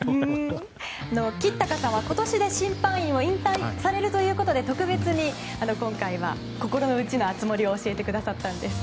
橘高さんは今年で審判員を引退されるということで特別に今回は心のうちの熱盛を教えてくださったんです。